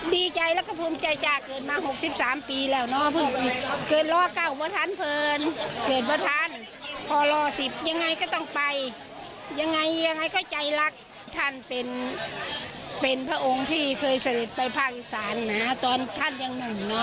ดีใจแล้วก็โทรมใจก็เกิดมา๖๓ปีแล้วเกิดล่อเก่าเกิดเพิ่ง